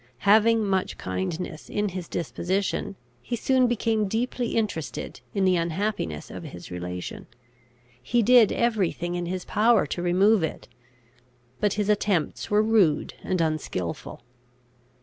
Having much kindness in his disposition, he soon became deeply interested in the unhappiness of his relation. He did every thing in his power to remove it; but his attempts were rude and unskilful.